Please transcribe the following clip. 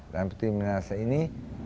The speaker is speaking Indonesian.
dan putri milahasa ini